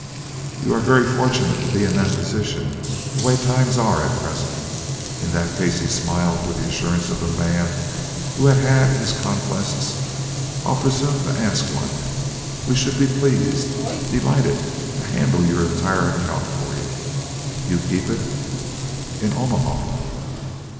"You are very fortunate to be in that position, the way times are at present. In that case," he smiled with the assurance of a man who had had his conquests, "I'll presume to ask one. We should be pleased delighted to handle your entire account for you. You keep it " "In Omaha."